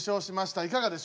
いかがでしょう？